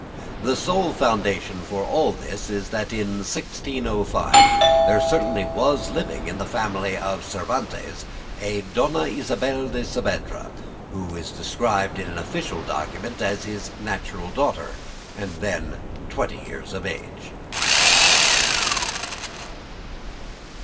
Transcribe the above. The sole foundation for all this is that in 1605 there certainly was living in the family of Cervantes a Dona Isabel de Saavedra, who is described in an official document as his natural daughter, and then twenty years of age.